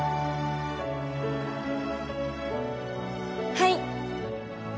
はい。